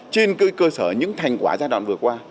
trên cơ sở những thành quả giai đoạn vừa qua